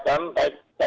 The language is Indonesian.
tidak ada catatan